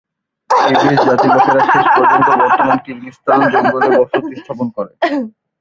Kyrgyz জাতির লোকেরা শেষ পর্যন্ত বর্তমান কিরগিজস্তান অঞ্চলে বসতি স্থাপন করে।